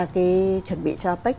cái chuẩn bị cho apec